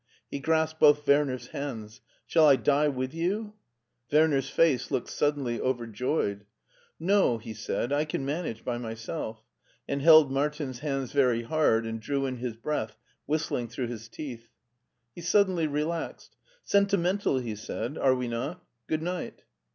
He grasped both Werner's hands. "Shall I die with you?" Werner's face looked suddenly overjoyed. " No," he said ;" I can manage by myself "; and held Martin's hands very hard and drew in his breath whistling through his teeth. He suddenly relaxed. "Sentimental," he said; " are we not? Good night."